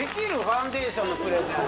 ファンデーションのプレゼン